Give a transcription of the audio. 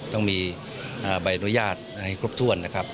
ต้องมีใบอนุญาตให้ครบถ้วนนะครับ